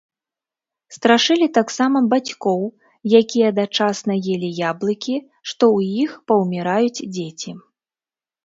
Страшылі таксама бацькоў, якія дачасна елі яблыкі, што ў іх паўміраюць дзеці.